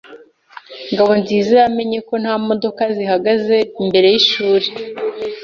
Ngabonziza yamenye ko nta modoka zihagaze imbere yishuri.